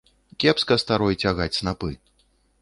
Кепска старой цягаць снапы.